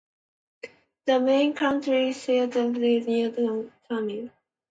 The main county seat is located near the town of Tamil.